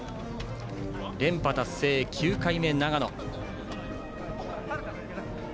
連覇達成、９回目、長野。